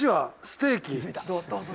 ステーキ。